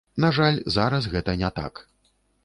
На жаль, зараз гэта не так.